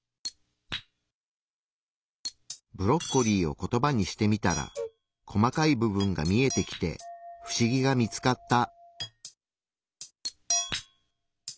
ブロッコリーをコトバにしてみたら細かい部分が見えてきて不思議が見つかった。